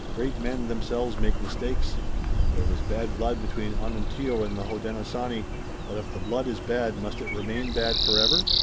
Great men themselves make mistakes. There was bad blood between Onontio and the Hodenosaunee, but if the blood is bad must it remain bad forever?